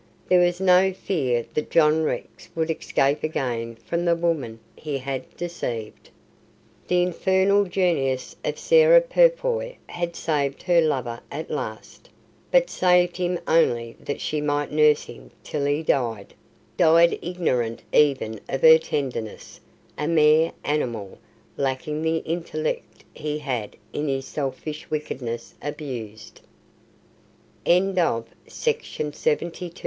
There was no fear that John Rex would escape again from the woman he had deceived. The infernal genius of Sarah Purfoy had saved her lover at last but saved him only that she might nurse him till he died died ignorant even of her tenderness, a mere animal, lacking the intellect he had in his selfish wickedness abused. CHAPTER XVII. THE REDEMPTION.